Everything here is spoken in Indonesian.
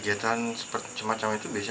di karya bank spital datang mem hokkaini